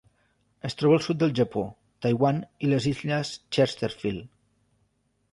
Es troba al sud del Japó, Taiwan i les Illes Chesterfield.